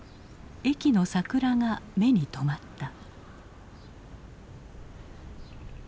駅の桜が目に留まった。